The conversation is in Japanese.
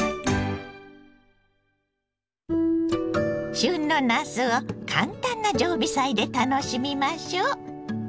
旬のなすを簡単な常備菜で楽しみましょう。